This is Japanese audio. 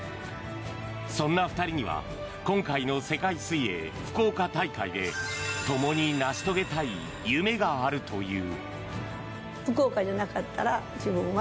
そんな２人には今回の世界水泳福岡大会で共に成し遂げたい夢があるという。